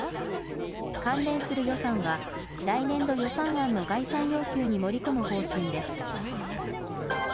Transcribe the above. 関連する予算は、来年度予算案の概算要求に盛り込む方針です。